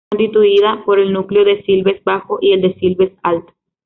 Está constituida por el núcleo de Silves Bajo y el de Silves Alto.